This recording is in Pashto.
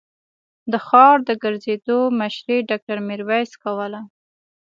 د ښار د ګرځېدو مشري ډاکټر ميرويس کوله.